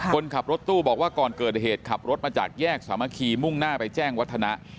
คนขับรถตู้บอกว่าก่อนเกิดเหตุขับรถมาจากแยกสามัคคีมุ่งหน้าไปแจ้งวัฒนะ